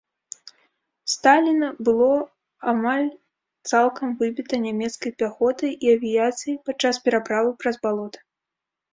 Сталіна, было амаль цалкам выбіта нямецкай пяхотай і авіяцыяй падчас пераправы праз балота.